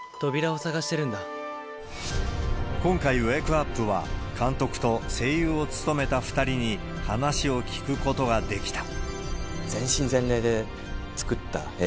今回、ウェークアップは、監督と、声優を務めた２人に話を聞くことができた。